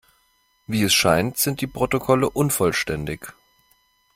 Wie es scheint, sind die Protokolle unvollständig.